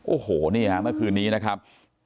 โอ้โหนี่ฮะเมื่อคืนนี้นะครับ